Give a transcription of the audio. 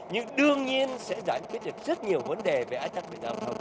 nhưng đương nhiên sẽ giải quyết được rất nhiều vấn đề về ái chắc về giao thông